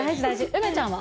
梅ちゃんは？